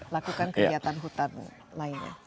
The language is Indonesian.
lakukan kegiatan hutan lainnya